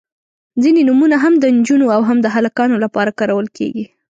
• ځینې نومونه هم د نجونو او هم د هلکانو لپاره کارول کیږي.